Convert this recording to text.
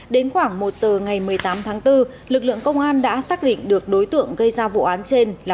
đến khoảng một giờ ngày một mươi tám tháng bốn lực lượng công an đã xác định được đối tượng gây ra vụ án trên là